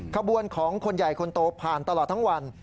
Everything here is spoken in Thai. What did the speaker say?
ขบวนของคนใหญ่คนโตผ่านตลอดทั้งวัน